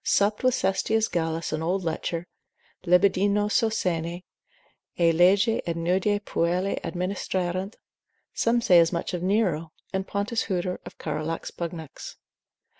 supped with Sestius Gallus an old lecher, libidinoso sene, ea lege ut nudae puellae administrarent; some say as much of Nero, and Pontus Huter of Carolus Pugnax.